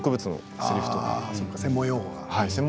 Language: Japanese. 専門用語がね。